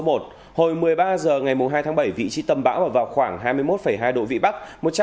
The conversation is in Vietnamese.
hồi một mươi ba h ngày hai tháng bảy vị trí tâm bão ở vào khoảng hai mươi một hai độ vị bắc